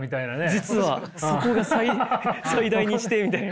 実はそこが最大にしてみたいな。